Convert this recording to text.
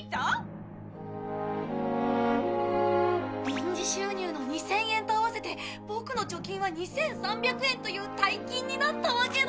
臨時収入の２０００円と合わせてボクの貯金は２３００円という大金になったわけだ。